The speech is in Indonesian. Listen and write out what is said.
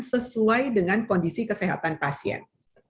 sesuai dengan kondisi kesehatan pasien